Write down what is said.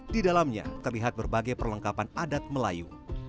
di dalamnya terlihat berbagai perlengkapan adat melayu